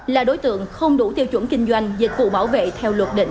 là đối tượng không đủ tiêu chuẩn kinh doanh dịch vụ bảo vệ theo luật định